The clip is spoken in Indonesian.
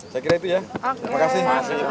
saya kira itu ya terima kasih